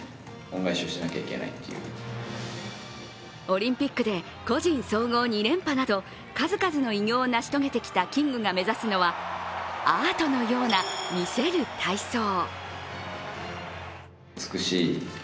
オリンピックで個人総合２連覇など数々の偉業を成し遂げてきたキングが目指すのはアートのような魅せる体操。